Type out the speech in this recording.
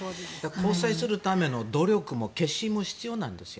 交際するための努力も決心も必要なんですよ。